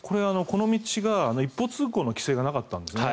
この道が一方通行の規制がなかったんですね。